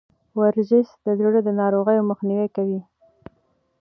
ورزش د زړه د ناروغیو مخنیوی کوي.